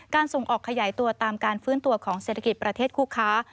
ส่งออกขยายตัวตามการฟื้นตัวของเศรษฐกิจประเทศคู่ค้า